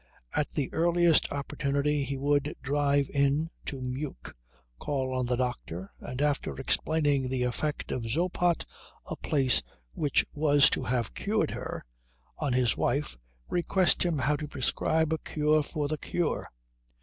At the earliest opportunity he would drive in to Meuk, call on the doctor, and after explaining the effect of Zoppot, a place which was to have cured her, on his wife, request him now to prescribe a cure for the cure.